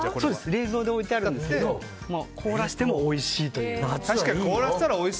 冷蔵で置いてあるんですけど凍らせてもおいしいと。